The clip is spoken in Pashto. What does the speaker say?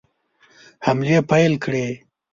حملې پیل کړې.